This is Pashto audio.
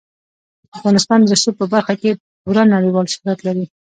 افغانستان د رسوب په برخه کې پوره نړیوال شهرت لري.